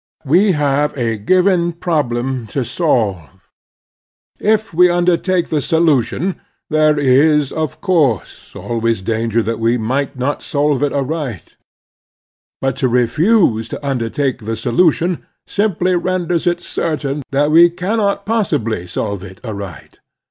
We have a given problem to solve. If we tmdertake the solution, there is, of course, alwa5rs danger that we may not solve it aright ; but to refuse to under take the solution simply renders it certain that we cannot possibly solve it aright.